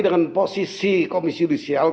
dengan posisi komisi judisial